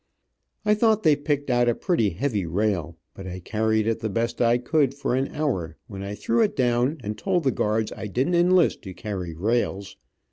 I thought they picked out a pretty heavy rail, but I carried it the best I could for an hour, when I threw it down and told the guards I didn't enlist to carry rails.